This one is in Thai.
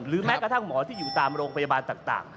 แม้กระทั่งหมอที่อยู่ตามโรงพยาบาลต่าง